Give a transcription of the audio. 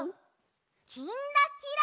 「きんらきら」。